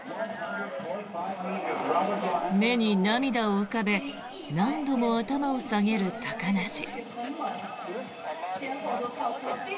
目に涙を浮かべ何度も頭を下げる高梨。